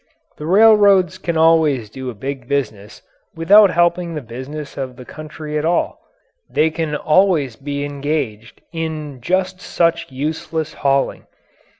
The railroads can always do a big business without helping the business of the country at all; they can always be engaged in just such useless hauling.